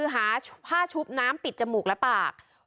หาผ้าชุบน้ำปิดจมูกและปาก